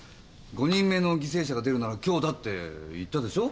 ５人目の犠牲者が出るなら今日だって言ったでしょ？